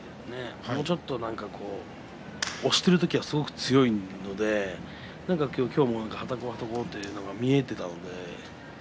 もうちょっと押してる時はすごく強いので今日ははたこうと見えていたので。